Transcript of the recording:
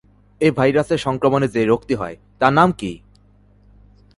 এ ভাইরাসের সংক্রমণে যে রোগটি হয়, তার নাম কি?